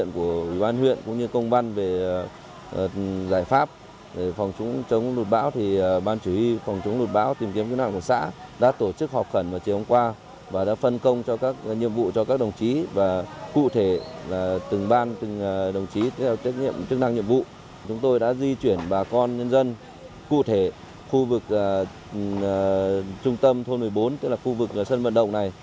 khu vực trung tâm thôn một mươi bốn tức là khu vực sân vận động này